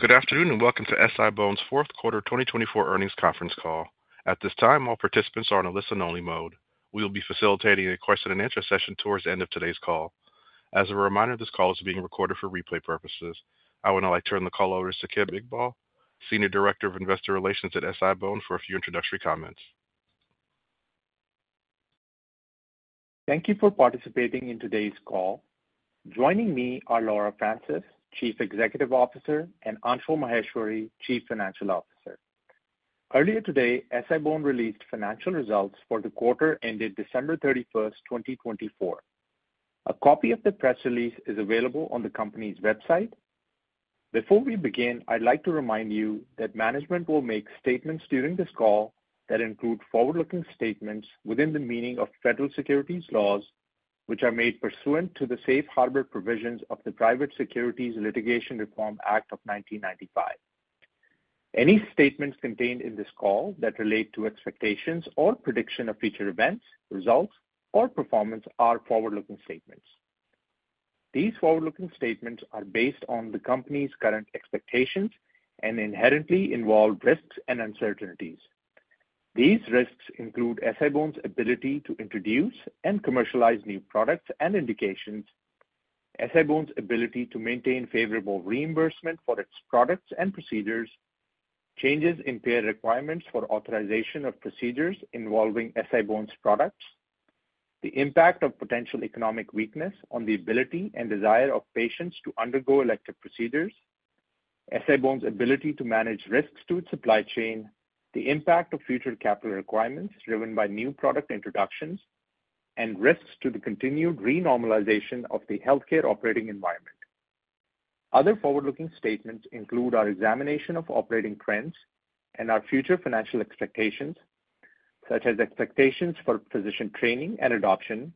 Good afternoon and welcome to SI-BONE's fourth quarter 2024 earnings conference call. At this time, all participants are on a listen-only mode. We will be facilitating a question-and-answer session towards the end of today's call. As a reminder, this call is being recorded for replay purposes. I would now like to turn the call over to Saqib Iqbal, Senior Director of Investor Relations at SI-BONE, for a few introductory comments. Thank you for participating in today's call. Joining me are Laura Francis, Chief Executive Officer, and Anshul Maheshwari, Chief Financial Officer. Earlier today, SI-BONE released financial results for the quarter ended December 31st, 2024. A copy of the press release is available on the company's website. Before we begin, I'd like to remind you that management will make statements during this call that include forward-looking statements within the meaning of federal securities laws, which are made pursuant to the safe harbor provisions of the Private Securities Litigation Reform Act of 1995. Any statements contained in this call that relate to expectations or prediction of future events, results, or performance are forward-looking statements. These forward-looking statements are based on the company's current expectations and inherently involve risks and uncertainties. These risks include SI-BONE's ability to introduce and commercialize new products and indications, SI-BONE's ability to maintain favorable reimbursement for its products and procedures, changes in payer requirements for authorization of procedures involving SI-BONE's products, the impact of potential economic weakness on the ability and desire of patients to undergo elective procedures, SI-BONE's ability to manage risks to its supply chain, the impact of future capital requirements driven by new product introductions, and risks to the continued renormalization of the healthcare operating environment. Other forward-looking statements include our examination of operating trends and our future financial expectations, such as expectations for physician training and adoption,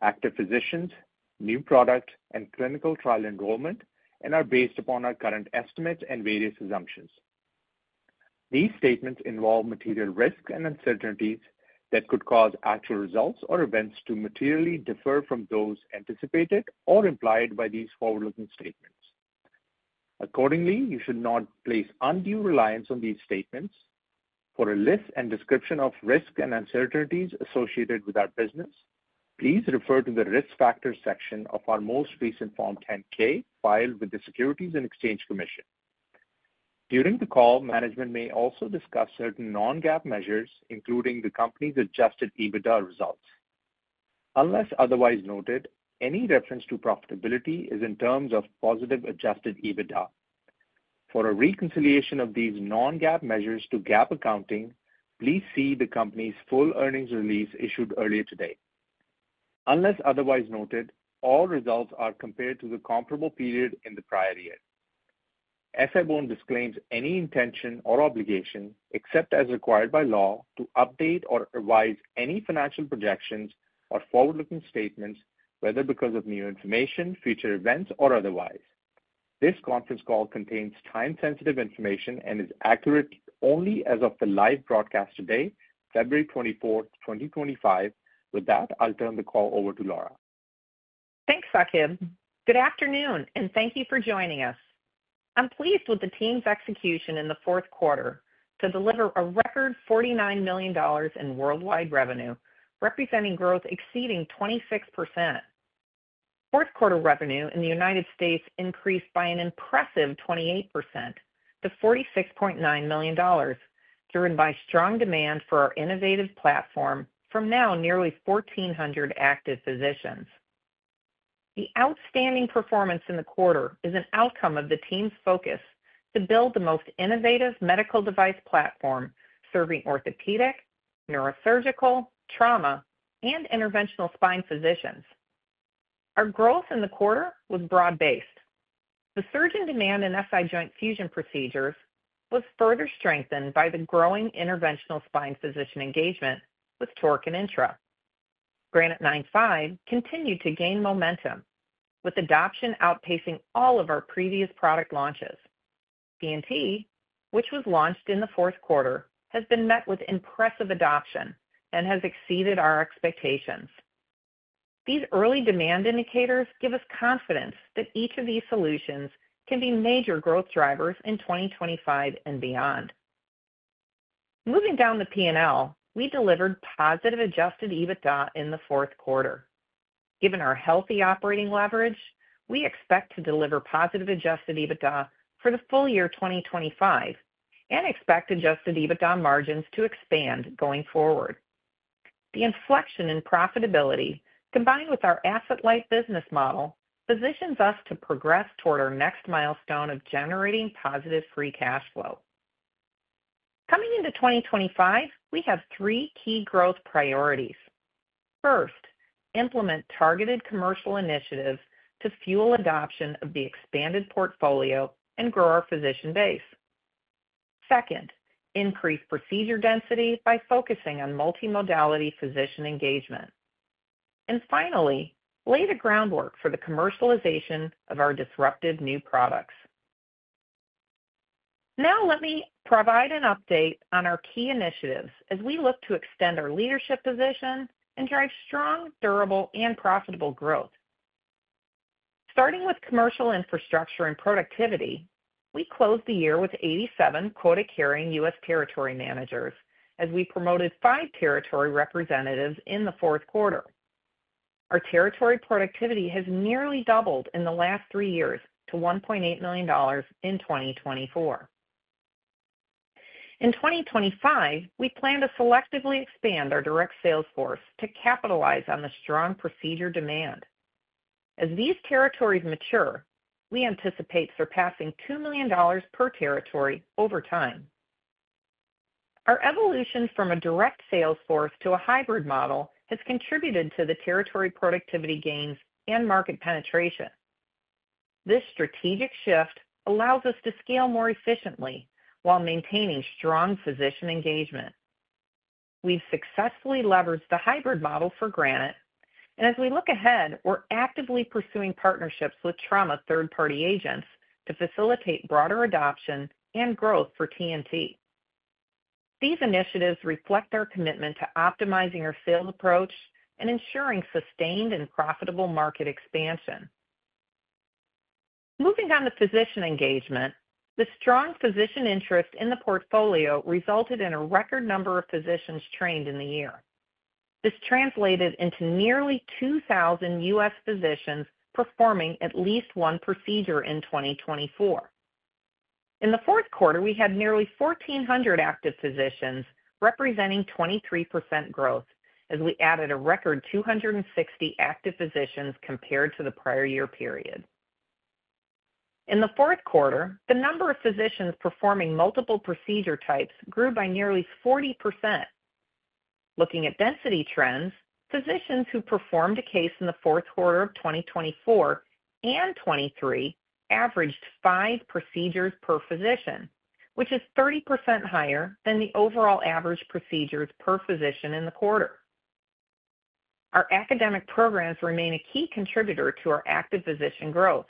active physicians, new product, and clinical trial enrollment, and are based upon our current estimates and various assumptions. These statements involve material risks and uncertainties that could cause actual results or events to materially differ from those anticipated or implied by these forward-looking statements. Accordingly, you should not place undue reliance on these statements. For a list and description of risks and uncertainties associated with our business, please refer to the risk factors section of our most recent Form 10-K filed with the Securities and Exchange Commission. During the call, management may also discuss certain non-GAAP measures, including the company's Adjusted EBITDA results. Unless otherwise noted, any reference to profitability is in terms of positive Adjusted EBITDA. For a reconciliation of these non-GAAP measures to GAAP accounting, please see the company's full earnings release issued earlier today. Unless otherwise noted, all results are compared to the comparable period in the prior year. SI-BONE disclaims any intention or obligation, except as required by law, to update or revise any financial projections or forward-looking statements, whether because of new information, future events, or otherwise. This conference call contains time-sensitive information and is accurate only as of the live broadcast today, February 24th, 2025. With that, I'll turn the call over to Laura. Thanks, Saqib. Good afternoon, and thank you for joining us. I'm pleased with the team's execution in the fourth quarter to deliver a record $49 million in worldwide revenue, representing growth exceeding 26%. Fourth quarter revenue in the United States increased by an impressive 28% to $46.9 million, driven by strong demand for our innovative platform from now nearly 1,400 active physicians. The outstanding performance in the quarter is an outcome of the team's focus to build the most innovative medical device platform serving orthopedic, neurosurgical, trauma, and interventional spine physicians. Our growth in the quarter was broad-based. The surge in demand in SI joint fusion procedures was further strengthened by the growing interventional spine physician engagement with TORQ and INTRA. Granite 9.5 continued to gain momentum, with adoption outpacing all of our previous product launches. TNT, which was launched in the fourth quarter, has been met with impressive adoption and has exceeded our expectations. These early demand indicators give us confidence that each of these solutions can be major growth drivers in 2025 and beyond. Moving down the P&L, we delivered positive Adjusted EBITDA in the fourth quarter. Given our healthy operating leverage, we expect to deliver positive Adjusted EBITDA for the full year 2025 and expect Adjusted EBITDA margins to expand going forward. The inflection in profitability, combined with our asset-light business model, positions us to progress toward our next milestone of generating positive free cash flow. Coming into 2025, we have three key growth priorities. First, implement targeted commercial initiatives to fuel adoption of the expanded portfolio and grow our physician base. Second, increase procedure density by focusing on multimodality physician engagement. Finally, lay the groundwork for the commercialization of our disruptive new products. Now, let me provide an update on our key initiatives as we look to extend our leadership position and drive strong, durable, and profitable growth. Starting with commercial infrastructure and productivity, we closed the year with 87 quota-carrying U.S. territory managers as we promoted five territory representatives in the fourth quarter. Our territory productivity has nearly doubled in the last three years to $1.8 million in 2024. In 2025, we plan to selectively expand our direct sales force to capitalize on the strong procedure demand. As these territories mature, we anticipate surpassing $2 million per territory over time. Our evolution from a direct sales force to a hybrid model has contributed to the territory productivity gains and market penetration. This strategic shift allows us to scale more efficiently while maintaining strong physician engagement. We've successfully leveraged the hybrid model for Granite, and as we look ahead, we're actively pursuing partnerships with trauma third-party agents to facilitate broader adoption and growth for TNT. These initiatives reflect our commitment to optimizing our sales approach and ensuring sustained and profitable market expansion. Moving on to physician engagement, the strong physician interest in the portfolio resulted in a record number of physicians trained in the year. This translated into nearly 2,000 U.S. physicians performing at least one procedure in 2024. In the fourth quarter, we had nearly 1,400 active physicians, representing 23% growth as we added a record 260 active physicians compared to the prior year period. In the fourth quarter, the number of physicians performing multiple procedure types grew by nearly 40%. Looking at density trends, physicians who performed a case in the fourth quarter of 2024 and 2023 averaged five procedures per physician, which is 30% higher than the overall average procedures per physician in the quarter. Our academic programs remain a key contributor to our active physician growth.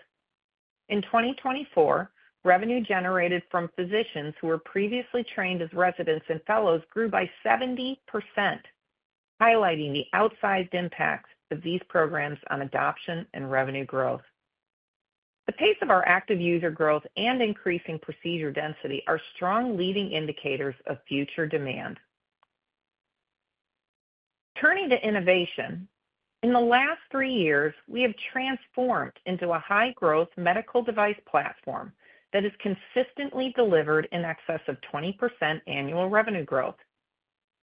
In 2024, revenue generated from physicians who were previously trained as residents and fellows grew by 70%, highlighting the outsized impacts of these programs on adoption and revenue growth. The pace of our active user growth and increasing procedure density are strong leading indicators of future demand. Turning to innovation, in the last three years, we have transformed into a high-growth medical device platform that has consistently delivered in excess of 20% annual revenue growth.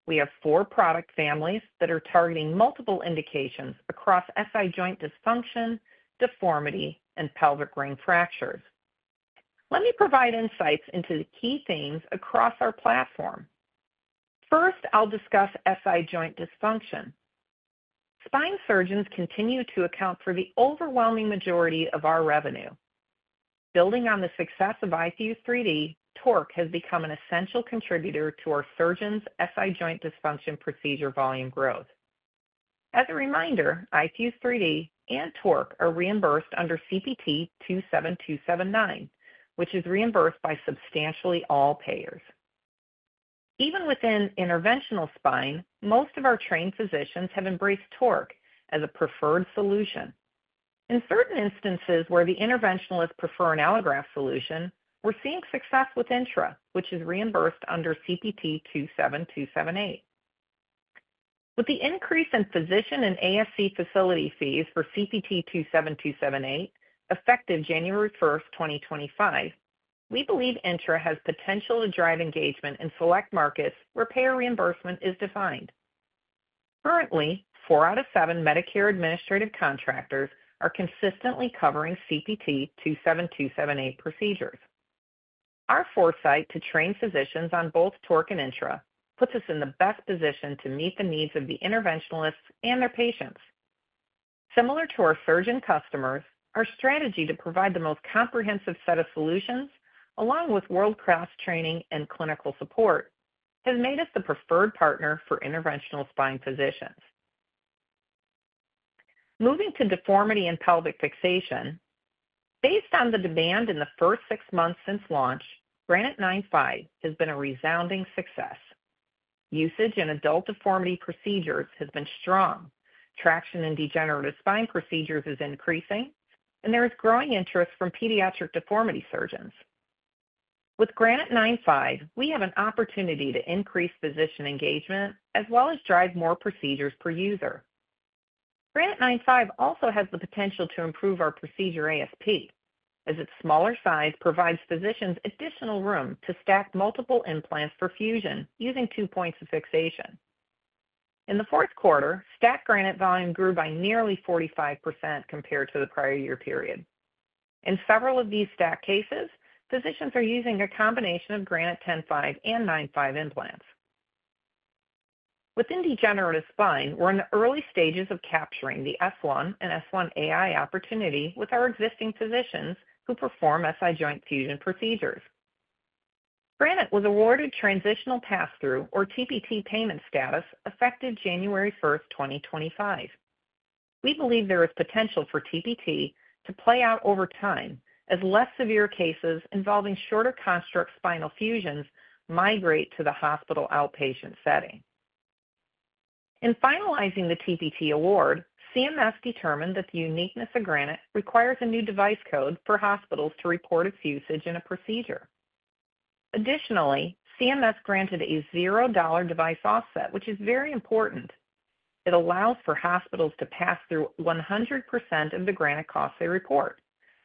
We have four product families that are targeting multiple indications across SI joint dysfunction, deformity, and pelvic ring fractures. Let me provide insights into the key themes across our platform. First, I'll discuss SI joint dysfunction. Spine surgeons continue to account for the overwhelming majority of our revenue. Building on the success of iFuse-3D, TORQ has become an essential contributor to our surgeons' SI joint dysfunction procedure volume growth. As a reminder, iFuse-3D and TORQ are reimbursed under CPT 27279, which is reimbursed by substantially all payers. Even within interventional spine, most of our trained physicians have embraced TORQ as a preferred solution. In certain instances where the interventionalists prefer an allograft solution, we're seeing success with INTRA, which is reimbursed under CPT 27278. With the increase in physician and ASC facility fees for CPT 27278 effective January 1st, 2025, we believe INTRA has potential to drive engagement in select markets where payer reimbursement is defined. Currently, four out of seven Medicare administrative contractors are consistently covering CPT 27278 procedures. Our foresight to train physicians on both TORQ and INTRA puts us in the best position to meet the needs of the interventionalists and their patients. Similar to our surgeon customers, our strategy to provide the most comprehensive set of solutions, along with world-class training and clinical support, has made us the preferred partner for interventional spine physicians. Moving to deformity and pelvic fixation, based on the demand in the first six months since launch, Granite 9.5 has been a resounding success. Usage in adult deformity procedures has been strong. Traction in degenerative spine procedures is increasing, and there is growing interest from pediatric deformity surgeons. With Granite 9.5, we have an opportunity to increase physician engagement as well as drive more procedures per user. Granite 9.5 also has the potential to improve our procedure ASP, as its smaller size provides physicians additional room to stack multiple implants for fusion using two points of fixation. In the fourth quarter, stacked Granite volume grew by nearly 45% compared to the prior year period. In several of these stacked cases, physicians are using a combination of Granite 10.5 and 9.5 implants. Within degenerative spine, we're in the early stages of capturing the S1 and S1 AI opportunity with our existing physicians who perform SI joint fusion procedures. Granite was awarded transitional pass-through, or TPT, payment status effective January 1st, 2025. We believe there is potential for TPT to play out over time as less severe cases involving shorter construct spinal fusions migrate to the hospital outpatient setting. In finalizing the TPT award, CMS determined that the uniqueness of Granite requires a new device code for hospitals to report its usage in a procedure. Additionally, CMS granted a $0 device offset, which is very important. It allows for hospitals to pass through 100% of the Granite cost they report,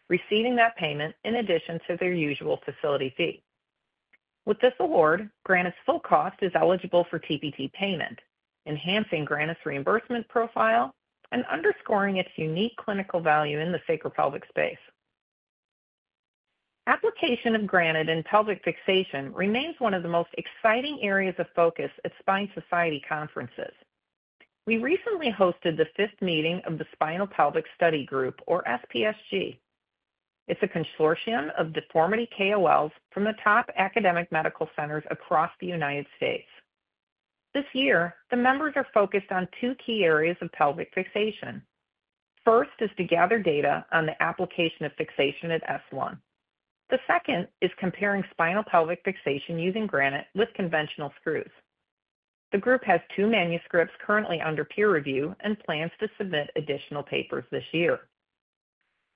receiving that payment in addition to their usual facility fee. With this award, Granite's full cost is eligible for TPT payment, enhancing Granite's reimbursement profile and underscoring its unique clinical value in the sacropelvic space. Application of Granite in pelvic fixation remains one of the most exciting areas of focus at spine society conferences. We recently hosted the fifth meeting of the Spinopelvic Study Group, or SPSG. It's a consortium of deformity KOLs from the top academic medical centers across the United States. This year, the members are focused on two key areas of pelvic fixation. First is to gather data on the application of fixation at S1. The second is comparing spinal pelvic fixation using Granite with conventional screws. The group has two manuscripts currently under peer review and plans to submit additional papers this year.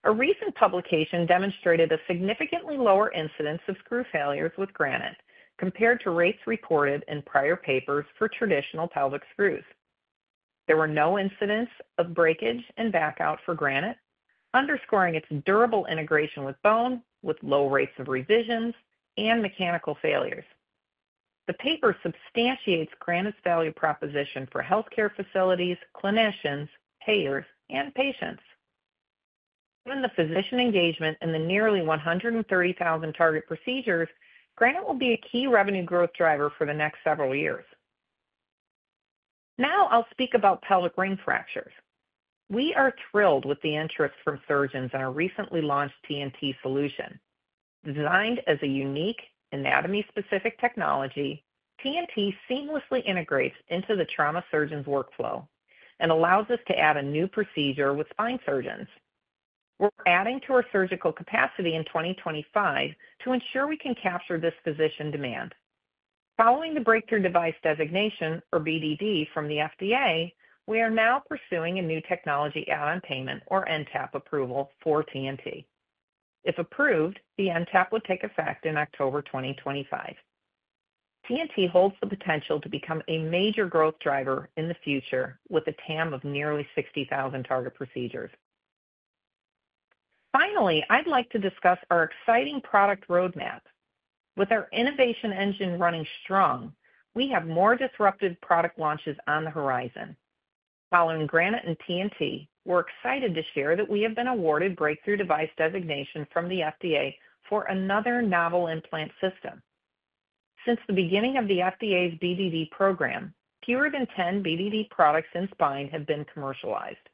A recent publication demonstrated a significantly lower incidence of screw failures with Granite compared to rates reported in prior papers for traditional pelvic screws. There were no incidents of breakage and backout for Granite, underscoring its durable integration with bone, with low rates of revisions and mechanical failures. The paper substantiates Granite's value proposition for healthcare facilities, clinicians, payers, and patients. Given the physician engagement in the nearly 130,000 target procedures, Granite will be a key revenue growth driver for the next several years. Now, I'll speak about pelvic ring fractures. We are thrilled with the interest from surgeons in our recently launched TNT solution. Designed as a unique anatomy-specific technology, TNT seamlessly integrates into the trauma surgeon's workflow and allows us to add a new procedure with spine surgeons. We're adding to our surgical capacity in 2025 to ensure we can capture this physician demand. Following the breakthrough device designation, or BDD, from the FDA, we are now pursuing a new technology add-on payment, or NTAP, approval for TNT. If approved, the NTAP would take effect in October 2025. TNT holds the potential to become a major growth driver in the future with a TAM of nearly 60,000 target procedures. Finally, I'd like to discuss our exciting product roadmap. With our innovation engine running strong, we have more disruptive product launches on the horizon. Following Granite and TNT, we're excited to share that we have been awarded breakthrough device designation from the FDA for another novel implant system. Since the beginning of the FDA's BDD program, fewer than 10 BDD products in spine have been commercialized.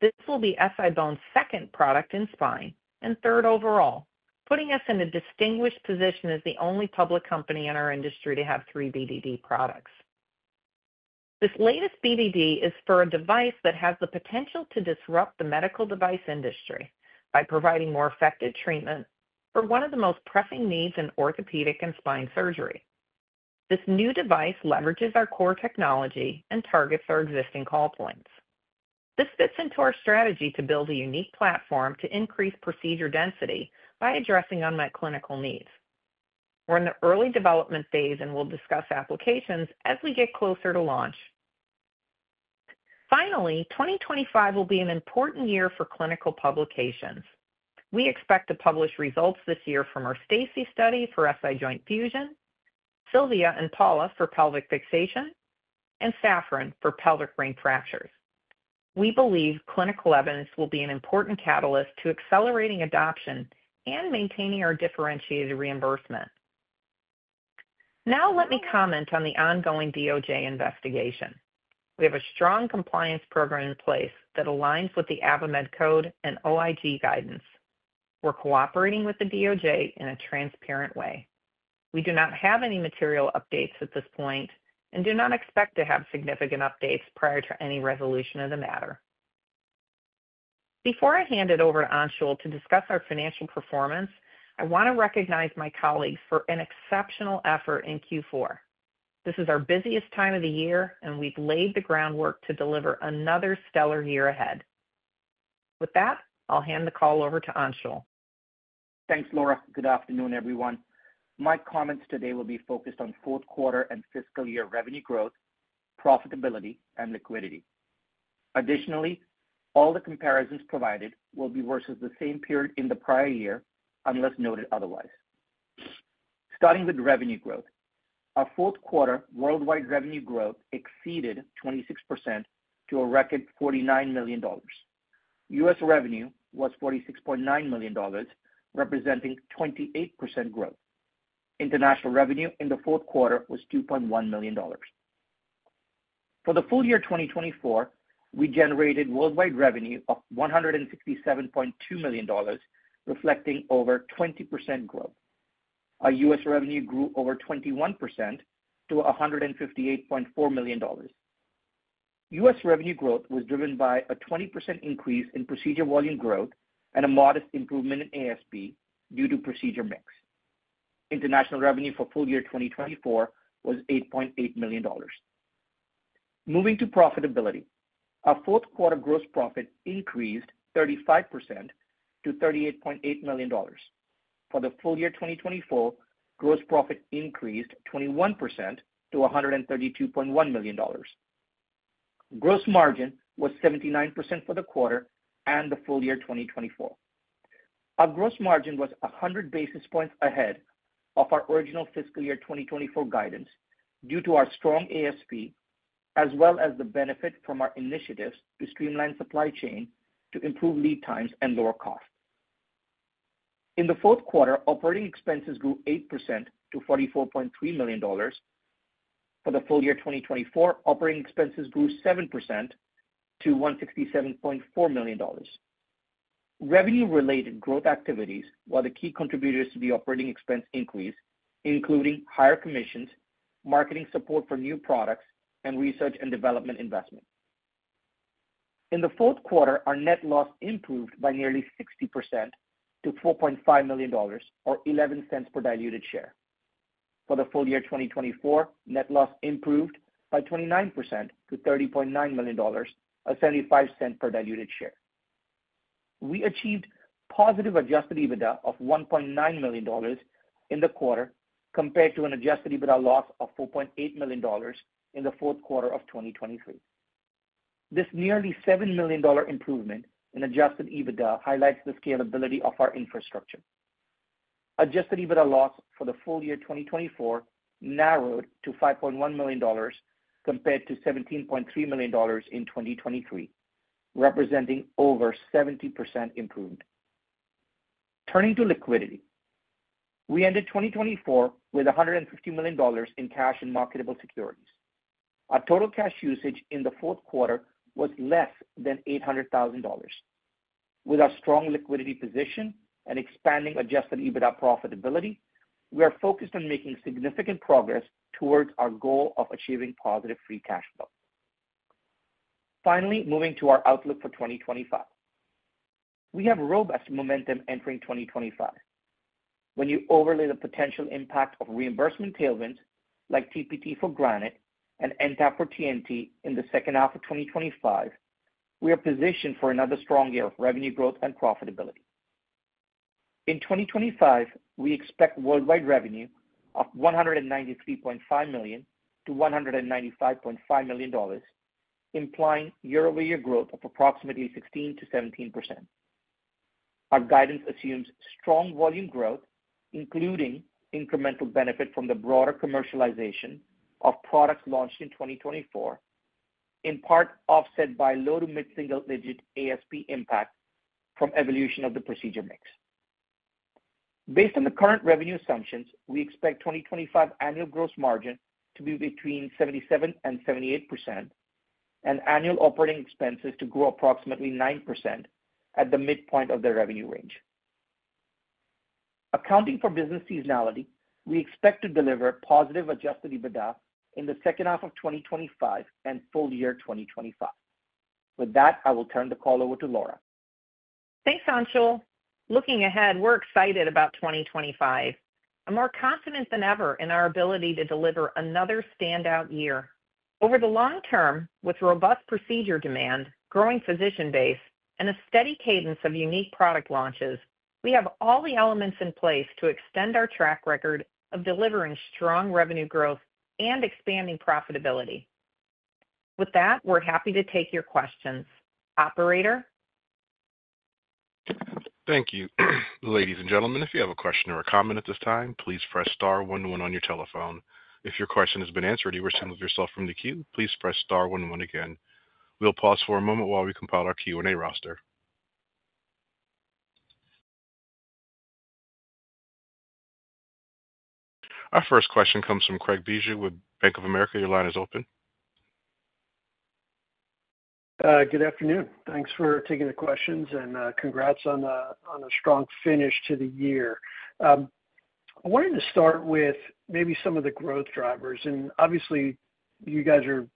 This will be SI-BONE's second product in spine and third overall, putting us in a distinguished position as the only public company in our industry to have three BDD products. This latest BDD is for a device that has the potential to disrupt the medical device industry by providing more effective treatment for one of the most pressing needs in orthopedic and spine surgery. This new device leverages our core technology and targets our existing call points. This fits into our strategy to build a unique platform to increase procedure density by addressing unmet clinical needs. We're in the early development phase and will discuss applications as we get closer to launch. Finally, 2025 will be an important year for clinical publications. We expect to publish results this year from our STACI study for SI joint fusion, SILVIA and SALLY for pelvic fixation, and SAFFRON for pelvic ring fractures. We believe clinical evidence will be an important catalyst to accelerating adoption and maintaining our differentiated reimbursement. Now, let me comment on the ongoing DOJ investigation. We have a strong compliance program in place that aligns with the AdvaMed Code and OIG guidance. We're cooperating with the DOJ in a transparent way. We do not have any material updates at this point and do not expect to have significant updates prior to any resolution of the matter. Before I hand it over to Anshul to discuss our financial performance, I want to recognize my colleagues for an exceptional effort in Q4. This is our busiest time of the year, and we've laid the groundwork to deliver another stellar year ahead. With that, I'll hand the call over to Anshul. Thanks, Laura. Good afternoon, everyone. My comments today will be focused on fourth quarter and fiscal year revenue growth, profitability, and liquidity. Additionally, all the comparisons provided will be versus the same period in the prior year unless noted otherwise. Starting with revenue growth, our fourth quarter worldwide revenue growth exceeded 26% to a record $49 million. U.S. revenue was $46.9 million, representing 28% growth. International revenue in the fourth quarter was $2.1 million. For the full year 2024, we generated worldwide revenue of $167.2 million, reflecting over 20% growth. Our U.S. revenue grew over 21% to $158.4 million. U.S. revenue growth was driven by a 20% increase in procedure volume growth and a modest improvement in ASP due to procedure mix. International revenue for full year 2024 was $8.8 million. Moving to profitability, our fourth quarter gross profit increased 35% to $38.8 million. For the full year 2024, gross profit increased 21% to $132.1 million. Gross margin was 79% for the quarter and the full year 2024. Our gross margin was 100 basis points ahead of our original fiscal year 2024 guidance due to our strong ASP, as well as the benefit from our initiatives to streamline supply chain to improve lead times and lower costs. In the fourth quarter, operating expenses grew 8% to $44.3 million. For the full year 2024, operating expenses grew 7% to $167.4 million. Revenue-related growth activities were the key contributors to the operating expense increase, including higher commissions, marketing support for new products, and research and development investment. In the fourth quarter, our net loss improved by nearly 60% to $4.5 million, or $0.11 per diluted share. For the full year 2024, net loss improved by 29% to $30.9 million, or $0.75 per diluted share. We achieved positive Adjusted EBITDA of $1.9 million in the quarter compared to an Adjusted EBITDA loss of $4.8 million in the fourth quarter of 2023. This nearly $7 million improvement in Adjusted EBITDA highlights the scalability of our infrastructure. Adjusted EBITDA loss for the full year 2024 narrowed to $5.1 million compared to $17.3 million in 2023, representing over 70% improvement. Turning to liquidity, we ended 2024 with $150 million in cash and marketable securities. Our total cash usage in the fourth quarter was less than $800,000. With our strong liquidity position and expanding Adjusted EBITDA profitability, we are focused on making significant progress towards our goal of achieving positive free cash flow. Finally, moving to our outlook for 2025, we have robust momentum entering 2025. When you overlay the potential impact of reimbursement tailwinds like TPT for Granite and NTAP for TNT in the second half of 2025, we are positioned for another strong year of revenue growth and profitability. In 2025, we expect worldwide revenue of $193.5 million-$195.5 million, implying year-over-year growth of approximately 16%-17%. Our guidance assumes strong volume growth, including incremental benefit from the broader commercialization of products launched in 2024, in part offset by low to mid-single-digit ASP impact from evolution of the procedure mix. Based on the current revenue assumptions, we expect 2025 annual gross margin to be between 77% and 78%, and annual operating expenses to grow approximately 9% at the midpoint of the revenue range. Accounting for business seasonality, we expect to deliver positive adjusted EBITDA in the second half of 2025 and full year 2025. With that, I will turn the call over to Laura. Thanks, Anshul. Looking ahead, we're excited about 2025. We're more confident than ever in our ability to deliver another standout year. Over the long-term, with robust procedure demand, growing physician base, and a steady cadence of unique product launches, we have all the elements in place to extend our track record of delivering strong revenue growth and expanding profitability. With that, we're happy to take your questions. Operator? Thank you. Ladies and gentlemen, if you have a question or a comment at this time, please press star one-one on your telephone. If your question has been answered and you wish to move yourself from the queue, please press star one-one again. We'll pause for a moment while we compile our Q&A roster. Our first question comes from Craig Bijou with Bank of America. Your line is open. Good afternoon. Thanks for taking the questions and congrats on a strong finish to the year. I wanted to start with maybe some of the growth drivers. And obviously, you guys are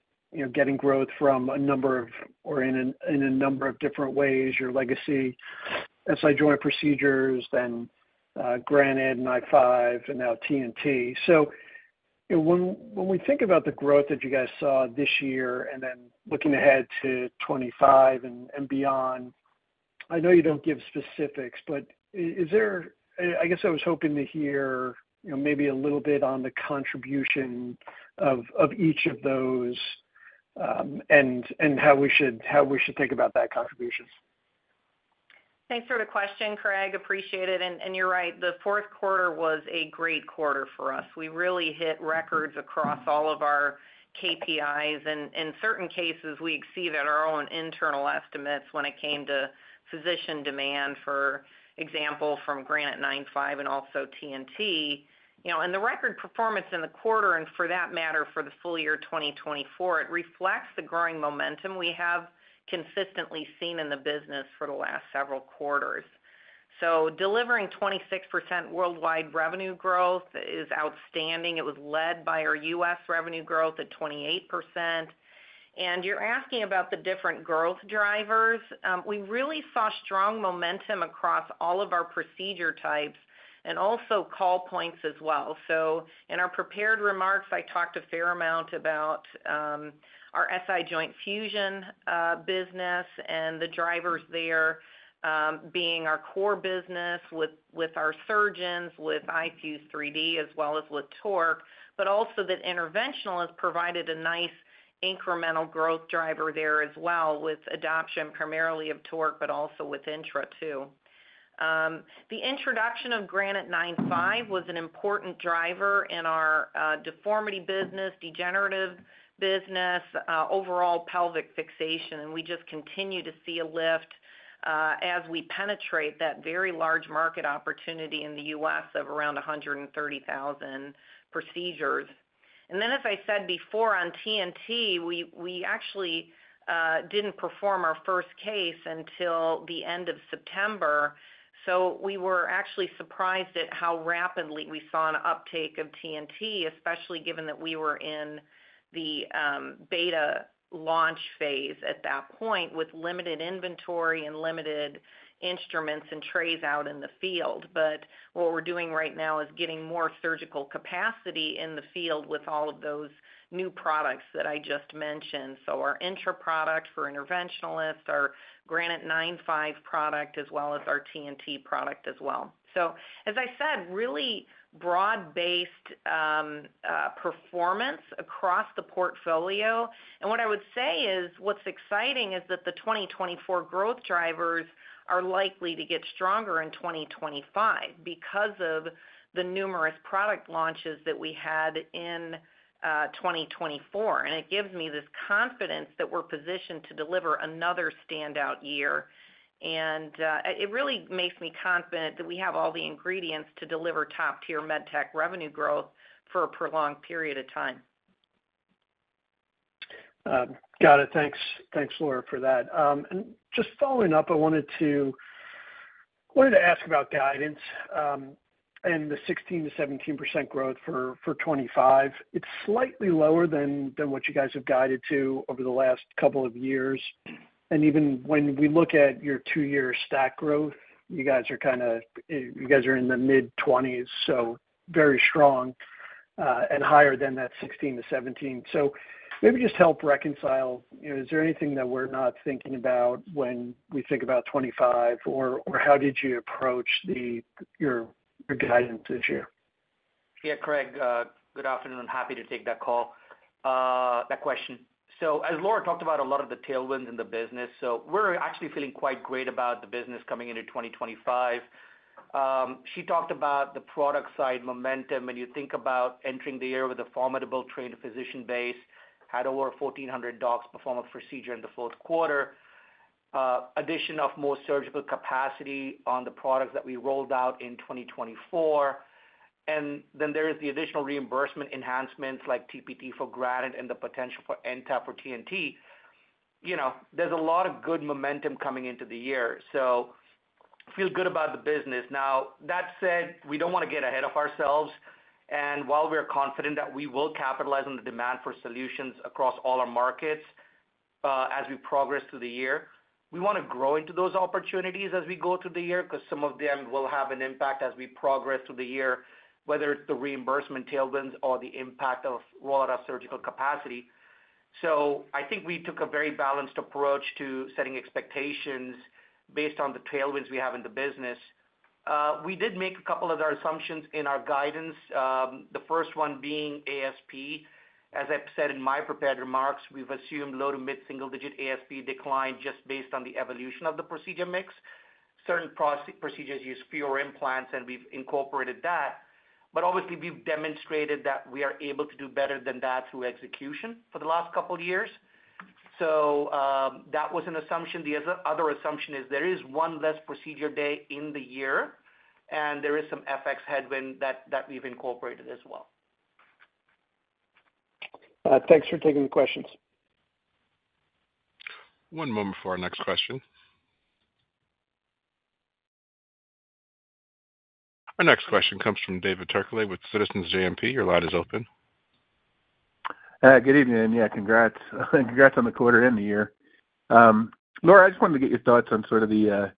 getting growth from a number of or in a number of different ways: your legacy SI joint procedures, then Granite, and iFuse, and now TNT. So when we think about the growth that you guys saw this year and then looking ahead to 2025 and beyond, I know you don't give specifics, but is there, I guess I was hoping to hear maybe a little bit on the contribution of each of those and how we should think about that contribution. Thanks for the question, Craig. Appreciate it. And you're right. The fourth quarter was a great quarter for us. We really hit records across all of our KPIs. In certain cases, we exceeded our own internal estimates when it came to physician demand, for example, from Granite, 9.5, and also TNT, and the record performance in the quarter, and for that matter, for the full year 2024, it reflects the growing momentum we have consistently seen in the business for the last several quarters, so delivering 26% worldwide revenue growth is outstanding. It was led by our U.S. revenue growth at 28%, and you're asking about the different growth drivers. We really saw strong momentum across all of our procedure types and also call points as well. So in our prepared remarks, I talked a fair amount about our SI joint fusion business and the drivers there being our core business with our surgeons, with iFuse-3D, as well as with TORQ, but also that interventional has provided a nice incremental growth driver there as well with adoption primarily of TORQ, but also with INTRA too. The introduction of Granite 9.5 was an important driver in our deformity business, degenerative business, overall pelvic fixation, and we just continue to see a lift as we penetrate that very large market opportunity in the U.S. of around 130,000 procedures, and then, as I said before, on TNT, we actually didn't perform our first case until the end of September. So we were actually surprised at how rapidly we saw an uptake of TNT, especially given that we were in the beta launch phase at that point with limited inventory and limited instruments and trays out in the field. But what we're doing right now is getting more surgical capacity in the field with all of those new products that I just mentioned. So our INTRA product for interventionalists, our Granite 9.5 product, as well as our TNT product as well. So, as I said, really broad-based performance across the portfolio. And what I would say is what's exciting is that the 2024 growth drivers are likely to get stronger in 2025 because of the numerous product launches that we had in 2024. And it gives me this confidence that we're positioned to deliver another standout year. It really makes me confident that we have all the ingredients to deliver top-tier med tech revenue growth for a prolonged period of time. Got it. Thanks, Laura, for that. Just following up, I wanted to ask about guidance and the 16%-17% growth for 2025. It's slightly lower than what you guys have guided to over the last couple of years. Even when we look at your two-year stack growth, you guys are kind of in the mid-20s, so very strong and higher than that 16%-17%. Maybe just help reconcile. Is there anything that we're not thinking about when we think about 2025, or how did you approach your guidance this year? Yeah, Craig, good afternoon. I'm happy to take that question. As Laura talked about, a lot of the tailwinds in the business. So we're actually feeling quite great about the business coming into 2025. She talked about the product-side momentum. When you think about entering the year with a formidable trained physician base, had over 1,400 docs perform a procedure in the fourth quarter, addition of more surgical capacity on the products that we rolled out in 2024. And then there is the additional reimbursement enhancements like TPT for Granite and the potential for NTAP for TNT. There's a lot of good momentum coming into the year. So feel good about the business. Now, that said, we don't want to get ahead of ourselves. And while we're confident that we will capitalize on the demand for solutions across all our markets as we progress through the year, we want to grow into those opportunities as we go through the year because some of them will have an impact as we progress through the year, whether it's the reimbursement tailwinds or the impact of rolling out surgical capacity. So I think we took a very balanced approach to setting expectations based on the tailwinds we have in the business. We did make a couple of our assumptions in our guidance, the first one being ASP. As I've said in my prepared remarks, we've assumed low to mid-single-digit ASP decline just based on the evolution of the procedure mix. Certain procedures use fewer implants, and we've incorporated that. But obviously, we've demonstrated that we are able to do better than that through execution for the last couple of years. So that was an assumption. The other assumption is there is one less procedure day in the year, and there is some FX headwind that we've incorporated as well. Thanks for taking the questions. One moment for our next question. Our next question comes from David Turkaly with Citizens JMP. Your line is open. Good evening. Yeah, congrats. Congrats on the quarter and the year. Laura, I just wanted to get your thoughts on sort of the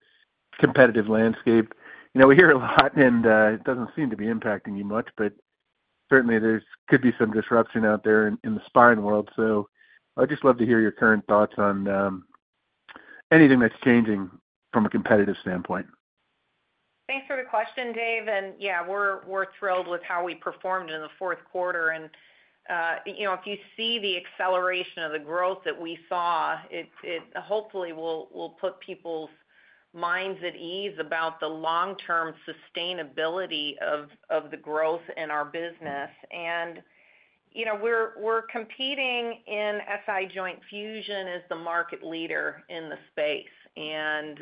competitive landscape. We hear a lot, and it doesn't seem to be impacting you much, but certainly, there could be some disruption out there in the spine world. So I'd just love to hear your current thoughts on anything that's changing from a competitive standpoint. Thanks for the question, Dave. And yeah, we're thrilled with how we performed in the fourth quarter. And if you see the acceleration of the growth that we saw, it hopefully will put people's minds at ease about the long-term sustainability of the growth in our business. And we're competing in SI joint fusion as the market leader in the space. And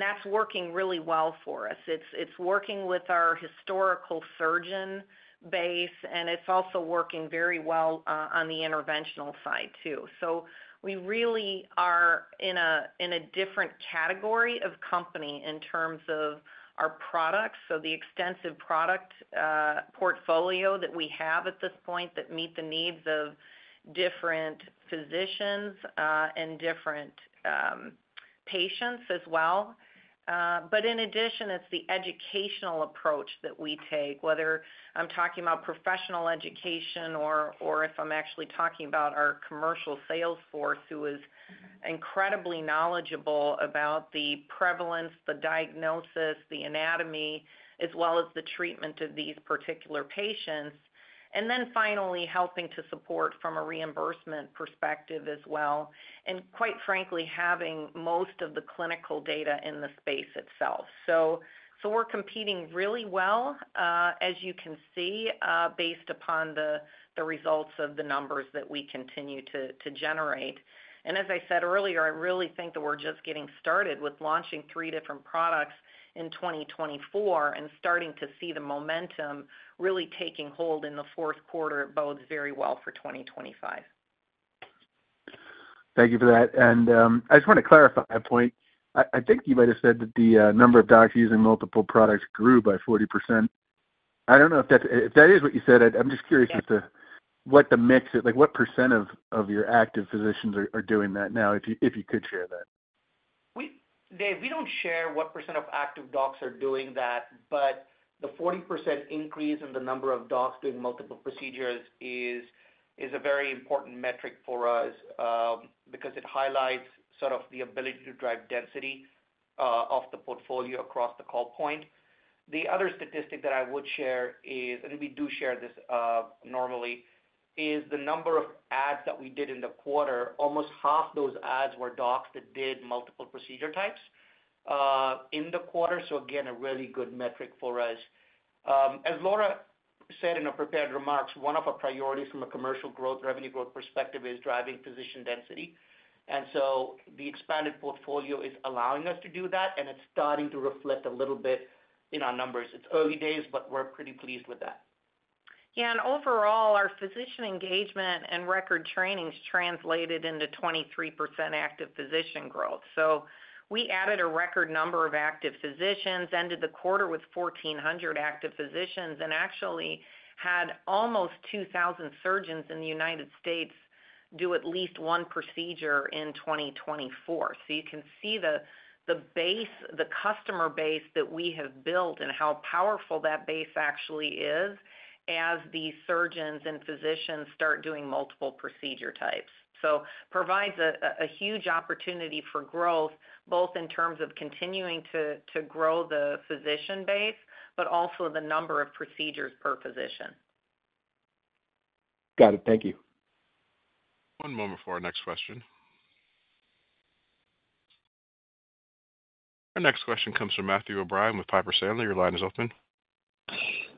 that's working really well for us. It's working with our historical surgeon base, and it's also working very well on the interventional side too. So we really are in a different category of company in terms of our products. So the extensive product portfolio that we have at this point that meets the needs of different physicians and different patients as well. But in addition, it's the educational approach that we take, whether I'm talking about professional education or if I'm actually talking about our commercial sales force who is incredibly knowledgeable about the prevalence, the diagnosis, the anatomy, as well as the treatment of these particular patients. And then finally, helping to support from a reimbursement perspective as well. And quite frankly, having most of the clinical data in the space itself. So we're competing really well, as you can see, based upon the results of the numbers that we continue to generate. And as I said earlier, I really think that we're just getting started with launching three different products in 2024 and starting to see the momentum really taking hold in the fourth quarter. It bodes very well for 2025. Thank you for that. And I just want to clarify a point. I think you might have said that the number of docs using multiple products grew by 40%. I don't know if that is what you said. I'm just curious what the mix is, like what percent of your active physicians are doing that now, if you could share that. Dave, we don't share what percent of active docs are doing that, but the 40% increase in the number of docs doing multiple procedures is a very important metric for us because it highlights sort of the ability to drive density of the portfolio across the call point. The other statistic that I would share is, and we do share this normally, is the number of adds that we did in the quarter. Almost half those adds were docs that did multiple procedure types in the quarter. So again, a really good metric for us. As Laura said in her prepared remarks, one of our priorities from a commercial growth revenue growth perspective is driving physician density. And so the expanded portfolio is allowing us to do that, and it's starting to reflect a little bit in our numbers. It's early days, but we're pretty pleased with that. Yeah. And overall, our physician engagement and record training has translated into 23% active physician growth. So we added a record number of active physicians, ended the quarter with 1,400 active physicians, and actually had almost 2,000 surgeons in the United States do at least one procedure in 2024. So you can see the base, the customer base that we have built and how powerful that base actually is as the surgeons and physicians start doing multiple procedure types. So it provides a huge opportunity for growth, both in terms of continuing to grow the physician base, but also the number of procedures per physician. Got it. Thank you. One moment for our next question. Our next question comes from Matthew O'Brien with Piper Sandler. Your line is open.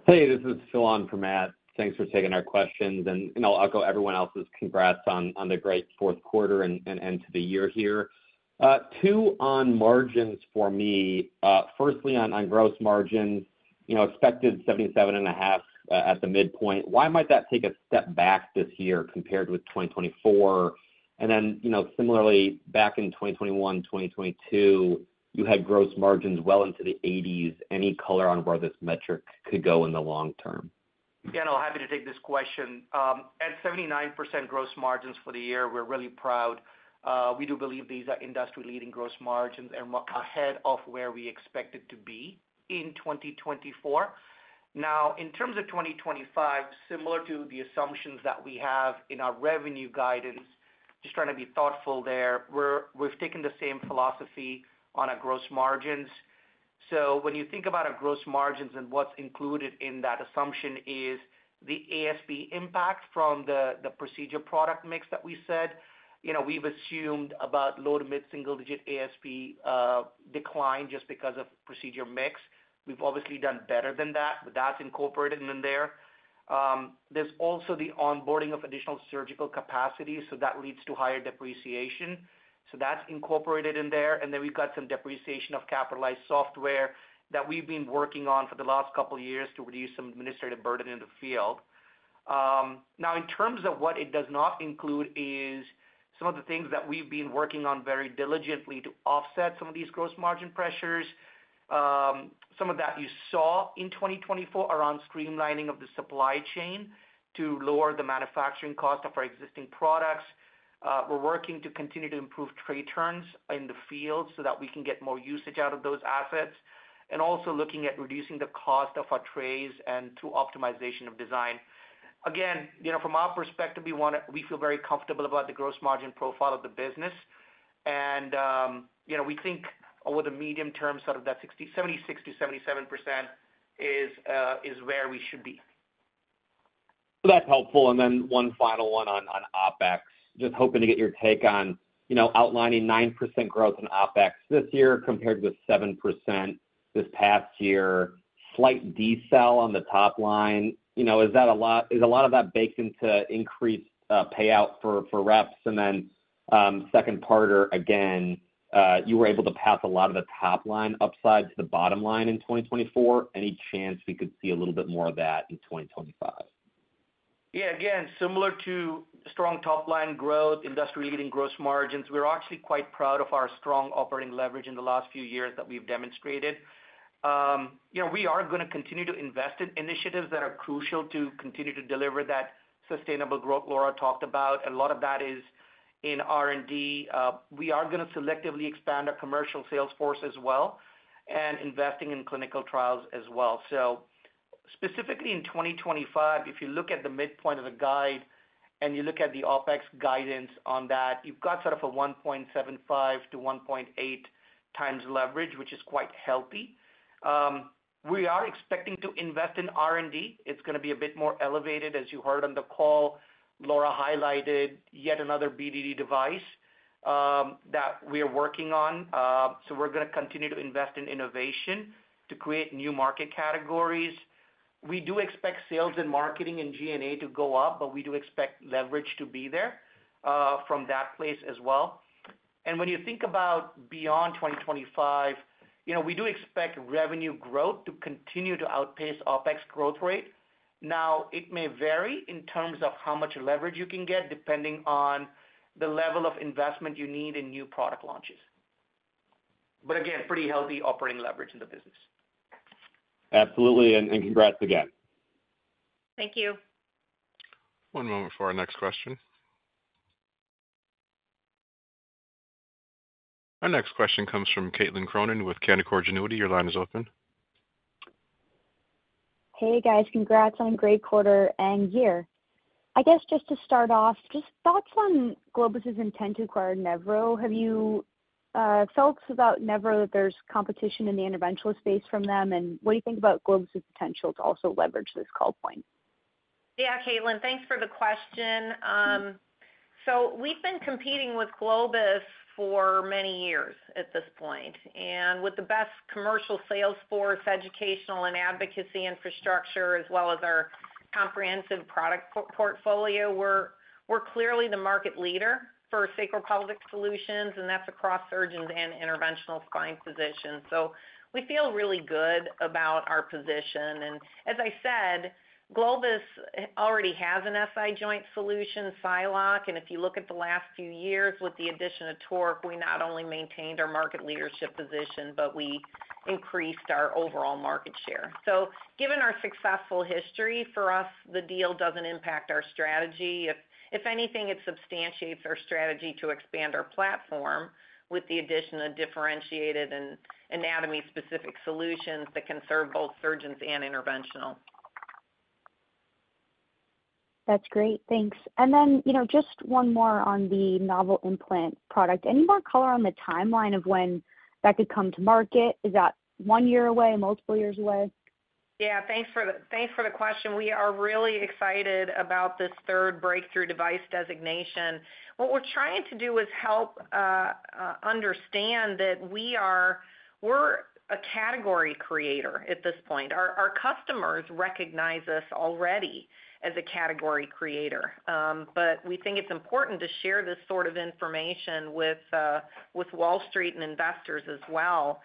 Hey, this is Phil for Matt. Thanks for taking our questions. And I'll echo everyone else's congrats on the great fourth quarter and end to the year here. Two on margins for me. Firstly, on gross margins, expected 77.5% at the midpoint. Why might that take a step back this year compared with 2024? And then similarly, back in 2021, 2022, you had gross margins well into the 80s-percent. Any color on where this metric could go in the long-term? Yeah, and I'm happy to take this question. At 79% gross margins for the year, we're really proud. We do believe these are industry-leading gross margins and ahead of where we expect it to be in 2024. Now, in terms of 2025, similar to the assumptions that we have in our revenue guidance, just trying to be thoughtful there, we've taken the same philosophy on our gross margins. So when you think about our gross margins and what's included in that assumption is the ASP impact from the procedure product mix that we said. We've assumed about low to mid-single-digit ASP decline just because of procedure mix. We've obviously done better than that, but that's incorporated in there. There's also the onboarding of additional surgical capacity, so that leads to higher depreciation. So that's incorporated in there. And then we've got some depreciation of capitalized software that we've been working on for the last couple of years to reduce some administrative burden in the field. Now, in terms of what it does not include is some of the things that we've been working on very diligently to offset some of these gross margin pressures. Some of that you saw in 2024 around streamlining of the supply chain to lower the manufacturing cost of our existing products. We're working to continue to improve trade turns in the field so that we can get more usage out of those assets. And also looking at reducing the cost of our trays and through optimization of design. Again, from our perspective, we feel very comfortable about the gross margin profile of the business. And we think over the medium-term, sort of that 76%-77% is where we should be. That's helpful. And then one final one on OpEx. Just hoping to get your take on outlining 9% growth in OpEx this year compared with 7% this past year, slight decelaration on the top line. Is a lot of that baked into increased payout for reps? And then second parter, again, you were able to pass a lot of the top line upside to the bottom line in 2024. Any chance we could see a little bit more of that in 2025? Yeah. Again, similar to strong top line growth, industry-leading gross margins, we're actually quite proud of our strong operating leverage in the last few years that we've demonstrated. We are going to continue to invest in initiatives that are crucial to continue to deliver that sustainable growth Laura talked about. A lot of that is in R&D. We are going to selectively expand our commercial sales force as well and investing in clinical trials as well. So specifically in 2025, if you look at the midpoint of the guide and you look at the OpEx guidance on that, you've got sort of a 1.75x-1.8x leverage, which is quite healthy. We are expecting to invest in R&D. It's going to be a bit more elevated. As you heard on the call, Laura highlighted yet another BDD device that we are working on. So we're going to continue to invest in innovation to create new market categories. We do expect sales and marketing and G&A to go up, but we do expect leverage to be there from that place as well. And when you think about beyond 2025, we do expect revenue growth to continue to outpace OpEx growth rate. Now, it may vary in terms of how much leverage you can get depending on the level of investment you need in new product launches but again, pretty healthy operating leverage in the business. Absolutely. And congrats again. Thank you. One moment for our next question. Our next question comes from Caitlin Cronin with Canaccord Genuity. Your line is open. Hey, guys. Congrats on great quarter and year. I guess just to start off, just thoughts on Globus's intent to acquire Nevro. Have you felt about Nevro that there's competition in the interventional space from them? And what do you think about Globus's potential to also leverage this call point? Yeah, Caitlin, thanks for the question. So we've been competing with Globus for many years at this point. And with the best commercial sales force, educational and advocacy infrastructure, as well as our comprehensive product portfolio, we're clearly the market leader for sacropelvic solutions, and that's across surgeons and interventional spine physicians. So we feel really good about our position. As I said, Globus Medical already has an SI joint solution, SiLO. If you look at the last few years with the addition of TORQ, we not only maintained our market leadership position, but we increased our overall market share. Given our successful history, for us, the deal doesn't impact our strategy. If anything, it substantiates our strategy to expand our platform with the addition of differentiated and anatomy-specific solutions that can serve both surgeons and interventional. That's great. Thanks. And then just one more on the novel implant product. Any more color on the timeline of when that could come to market? Is that one year away, multiple years away? Yeah. Thanks for the question. We are really excited about this third breakthrough device designation. What we're trying to do is help understand that we are a category creator at this point. Our customers recognize us already as a category creator. But we think it's important to share this sort of information with Wall Street and investors as well,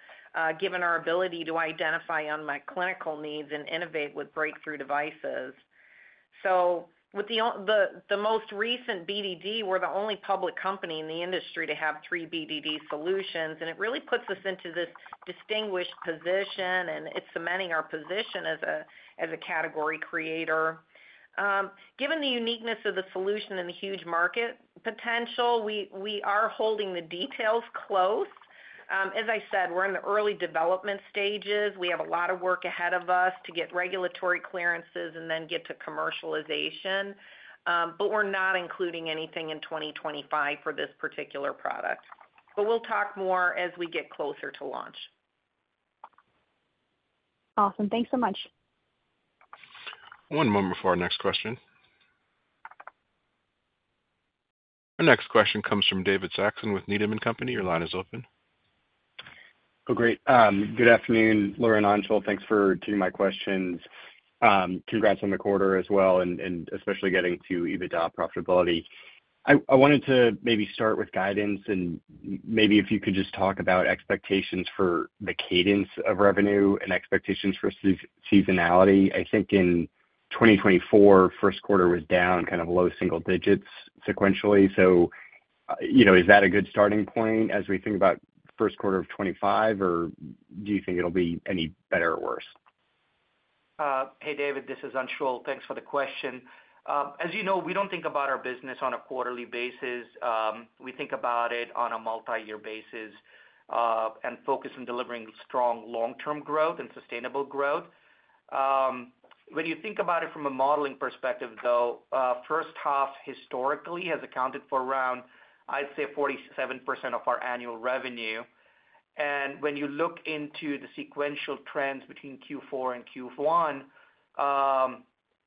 given our ability to identify unmet clinical needs and innovate with breakthrough devices. So with the most recent BDD, we're the only public company in the industry to have three BDD solutions. And it really puts us into this distinguished position, and it's cementing our position as a category creator. Given the uniqueness of the solution and the huge market potential, we are holding the details close. As I said, we're in the early development stages. We have a lot of work ahead of us to get regulatory clearances and then get to commercialization. But we're not including anything in 2025 for this particular product. But we'll talk more as we get closer to launch. Awesome. Thanks so much. One moment for our next question. Our next question comes from David Saxon with Needham & Company. Your line is open. Oh, great. Good afternoon, Laura and Anshul. Thanks for taking my questions. Congrats on the quarter as well, and especially getting to EBITDA profitability. I wanted to maybe start with guidance and maybe if you could just talk about expectations for the cadence of revenue and expectations for seasonality. I think in 2024, first quarter was down kind of low single digits sequentially. So is that a good starting point as we think about first quarter of 2025, or do you think it'll be any better or worse? Hey, David, this is Anshul. Thanks for the question. As you know, we don't think about our business on a quarterly basis. We think about it on a multi-year basis and focus on delivering strong long-term growth and sustainable growth. When you think about it from a modeling perspective, though, first half historically has accounted for around, I'd say, 47% of our annual revenue. And when you look into the sequential trends between Q4 and Q1,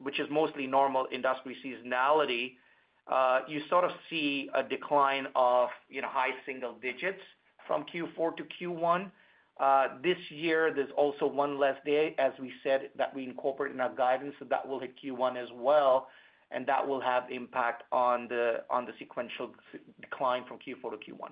which is mostly normal industry seasonality, you sort of see a decline of high single digits from Q4 to Q1. This year, there's also one less day, as we said, that we incorporate in our guidance, so that will hit Q1 as well. And that will have impact on the sequential decline from Q4 to Q1.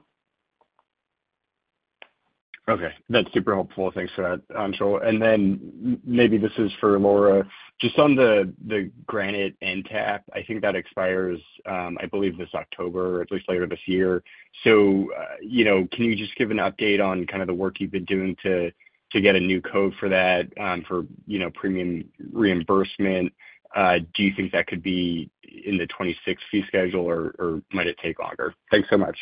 Okay. That's super helpful. Thanks for that, Anshul. And then maybe this is for Laura. Just on the Granite NTAP, I think that expires, I believe, this October, at least later this year. So can you just give an update on kind of the work you've been doing to get a new code for that for premium reimbursement? Do you think that could be in the 2026 fee schedule, or might it take longer? Thanks so much.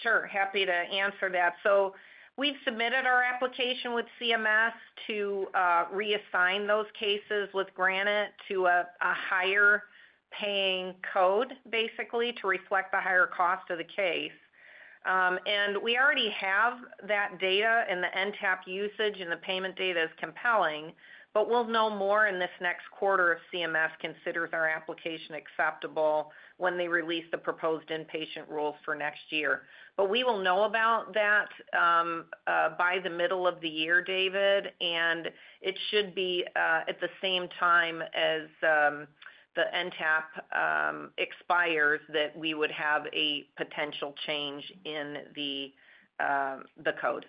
Sure. Happy to answer that. So we've submitted our application with CMS to reassign those cases with Granite to a higher paying code, basically, to reflect the higher cost of the case. And we already have that data, and the NTAP usage and the payment data is compelling. But we'll know more in this next quarter if CMS considers our application acceptable when they release the proposed inpatient rules for next year. But we will know about that by the middle of the year, David. And it should be at the same time as the NTAP expires that we would have a potential change in the code.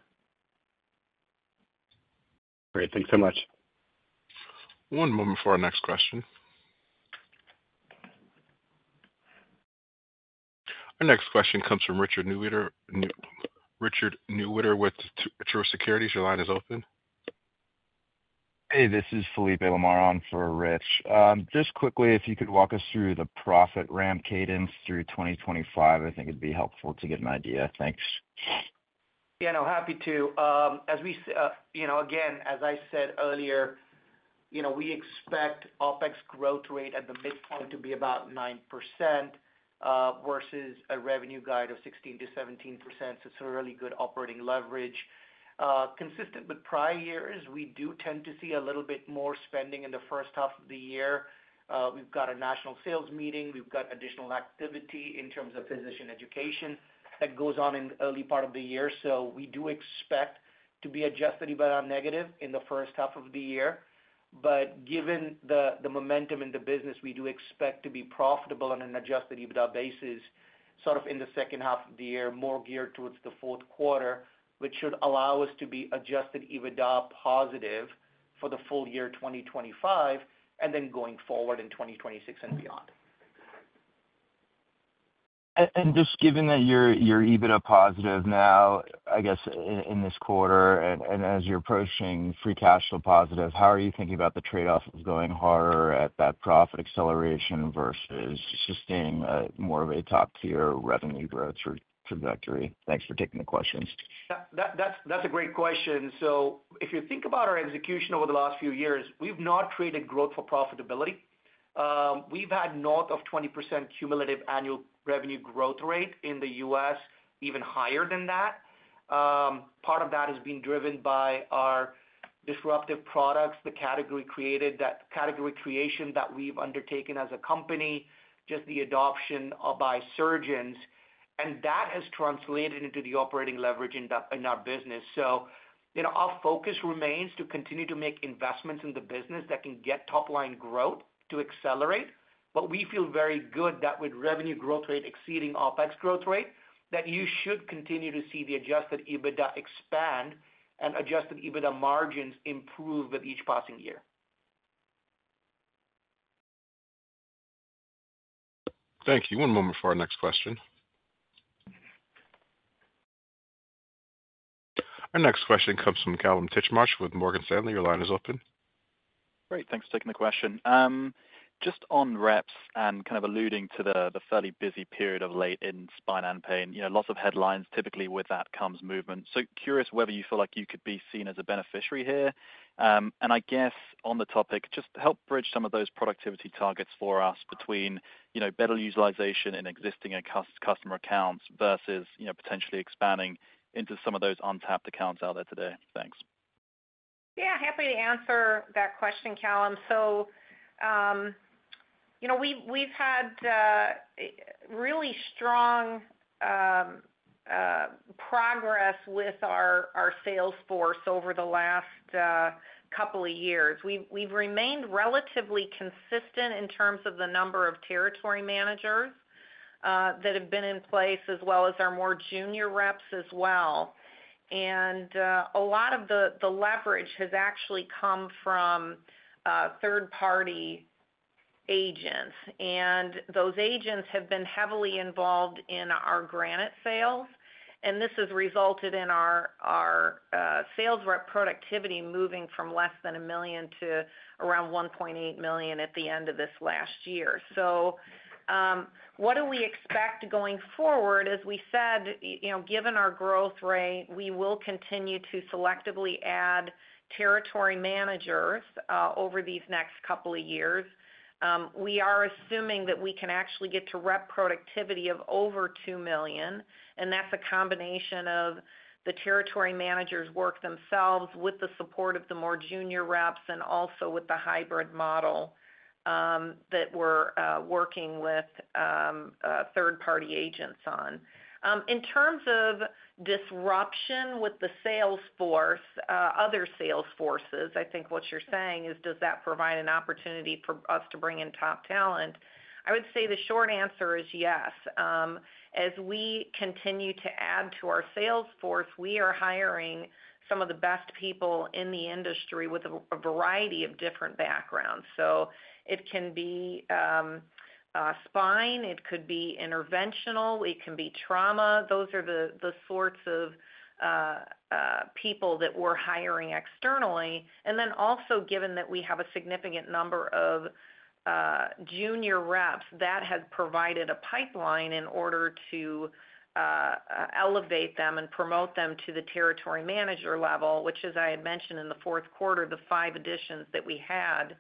Great. Thanks so much. One moment for our next question. Our next question comes from Richard Newitter with Truist Securities. Your line is open. Hey, this is Felipe Lamar for Rich. Just quickly, if you could walk us through the profit ramp cadence through 2025, I think it'd be helpful to get an idea. Thanks. Yeah, no, happy to. Again, as I said earlier, we expect OpEx growth rate at the midpoint to be about 9% versus a revenue guide of 16%-17%. So it's a really good operating leverage. Consistent with prior years, we do tend to see a little bit more spending in the first half of the year. We've got a national sales meeting. We've got additional activity in terms of physician education that goes on in the early part of the year. So we do expect to be adjusted EBITDA negative in the first half of the year. But given the momentum in the business, we do expect to be profitable on an Adjusted EBITDA basis sort of in the second half of the year, more geared towards the fourth quarter, which should allow us to be Adjusted EBITDA positive for the full year 2025, and then going forward in 2026 and beyond. And just given that you're EBITDA positive now, I guess, in this quarter, and as you're approaching free cash flow positive, how are you thinking about the trade-off of going harder at that profit acceleration versus sustaining more of a top-tier revenue growth trajectory? Thanks for taking the questions. That's a great question. So if you think about our execution over the last few years, we've not traded growth for profitability. We've had north of 20% cumulative annual revenue growth rate in the U.S., even higher than that. Part of that has been driven by our disruptive products, the category creation that we've undertaken as a company, just the adoption by surgeons, and that has translated into the operating leverage in our business. So our focus remains to continue to make investments in the business that can get top-line growth to accelerate, but we feel very good that with revenue growth rate exceeding OpEx growth rate, that you should continue to see the adjusted EBITDA expand and adjusted EBITDA margins improve with each passing year. Thank you. One moment for our next question. Our next question comes from Kallum Titchmarsh with Morgan Stanley. Your line is open. Great. Thanks for taking the question. Just on reps and kind of alluding to the fairly busy period of late in spine and pain, lots of headlines. Typically, with that comes movement. So curious whether you feel like you could be seen as a beneficiary here. And I guess on the topic, just help bridge some of those productivity targets for us between better utilization in existing customer accounts versus potentially expanding into some of those untapped accounts out there today. Thanks. Yeah, happy to answer that question, Kallum. So we've had really strong progress with our sales force over the last couple of years. We've remained relatively consistent in terms of the number of territory managers that have been in place, as well as our more junior reps as well. And a lot of the leverage has actually come from third-party agents. And those agents have been heavily involved in our Granite sales. And this has resulted in our sales rep productivity moving from less than $1 million to around $1.8 million at the end of this last year. So what do we expect going forward? As we said, given our growth rate, we will continue to selectively add territory managers over these next couple of years. We are assuming that we can actually get to rep productivity of over $2 million. And that's a combination of the territory managers' work themselves with the support of the more junior reps and also with the hybrid model that we're working with third-party agents on. In terms of disruption with the sales force, other sales forces, I think what you're saying is, does that provide an opportunity for us to bring in top talent? I would say the short answer is yes. As we continue to add to our sales force, we are hiring some of the best people in the industry with a variety of different backgrounds. So it can be spine. It could be interventional. It can be trauma. Those are the sorts of people that we're hiring externally. And then also, given that we have a significant number of junior reps, that has provided a pipeline in order to elevate them and promote them to the territory manager level, which, as I had mentioned in the fourth quarter, the five additions that we had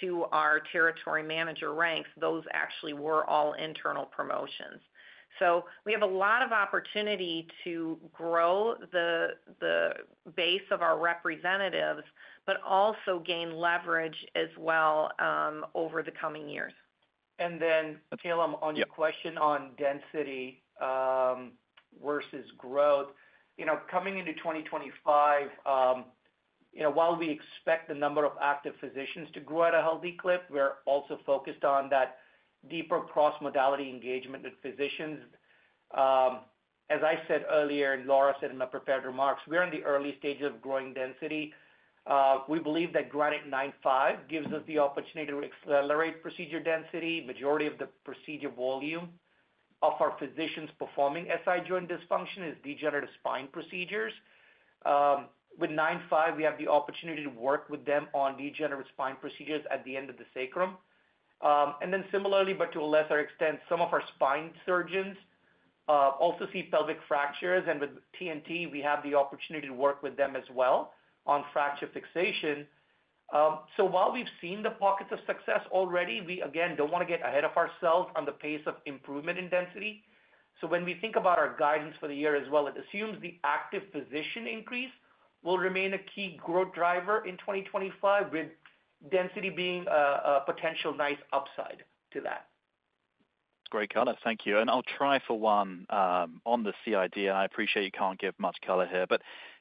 to our territory manager ranks, those actually were all internal promotions. So we have a lot of opportunity to grow the base of our representatives, but also gain leverage as well over the coming years. And then, Kallum, on your question on density versus growth, coming into 2025, while we expect the number of active physicians to grow at a healthy clip, we're also focused on that deeper cross-modality engagement with physicians. As I said earlier, and Laura said in my prepared remarks, we're in the early stages of growing density. We believe that Granite 9.5 gives us the opportunity to accelerate procedure density. Majority of the procedure volume of our physicians performing SI joint dysfunction is degenerative spine procedures. With 9.5, we have the opportunity to work with them on degenerative spine procedures at the end of the sacrum. And then similarly, but to a lesser extent, some of our spine surgeons also see pelvic fractures. And with TNT, we have the opportunity to work with them as well on fracture fixation. So while we've seen the pockets of success already, we, again, don't want to get ahead of ourselves on the pace of improvement in density. So when we think about our guidance for the year as well, it assumes the active physician increase will remain a key growth driver in 2025, with density being a potential nice upside to that. Great, color. Thank you. And I'll try for one on the CID. And I appreciate you can't give much color here.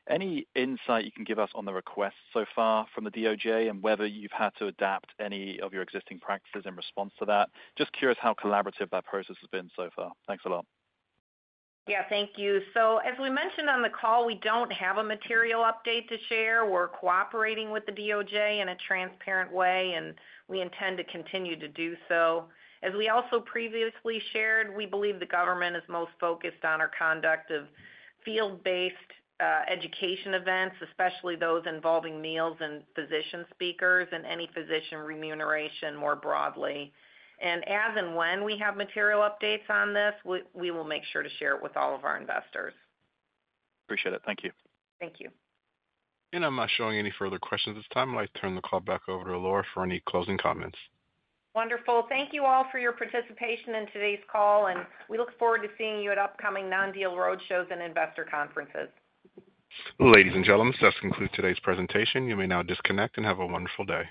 But any insight you can give us on the request so far from the DOJ and whether you've had to adapt any of your existing practices in response to that? Just curious how collaborative that process has been so far. Thanks a lot. Yeah, thank you. So as we mentioned on the call, we don't have a material update to share. We're cooperating with the DOJ in a transparent way, and we intend to continue to do so. As we also previously shared, we believe the government is most focused on our conduct of field-based education events, especially those involving meals and physician speakers and any physician remuneration more broadly. And as and when we have material updates on this, we will make sure to share it with all of our investors. Appreciate it. Thank you. Thank you. And I'm not showing any further questions at this time. I'd like to turn the call back over to Laura for any closing comments. Wonderful. Thank you all for your participation in today's call. And we look forward to seeing you at upcoming non-deal roadshows and investor conferences. Ladies and gentlemen, this does conclude today's presentation. You may now disconnect and have a wonderful day.